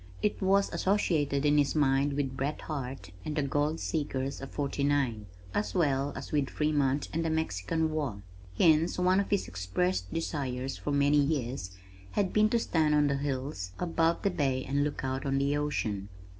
It was associated in his mind with Bret Harte and the Goldseekers of Forty Nine, as well as with Fremont and the Mexican War, hence one of his expressed desires for many years had been to stand on the hills above the bay and look out on the ocean.